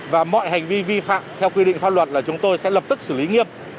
và mọi hành vi vi phạm theo quy định pháp luật là chúng tôi sẽ lập tức xử lý nghiêm